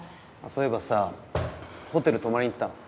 そういえばさホテル泊まり行ったの？